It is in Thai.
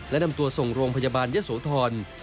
และนำตัวส่งโรงพยาบาลยะโสธร